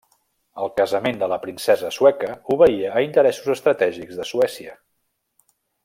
El casament de la princesa sueca obeïa a interessos estratègics de Suècia.